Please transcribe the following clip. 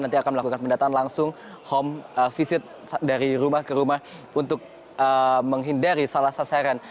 nanti akan melakukan pendataan langsung home visit dari rumah ke rumah untuk menghindari salah sasaran